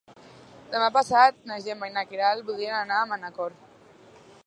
Demà passat na Gemma i na Queralt voldrien anar a Manacor.